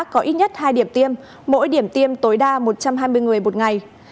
có ít nhất hai điểm tiêm mỗi điểm tiêm tối đa một trăm hai mươi người một ngày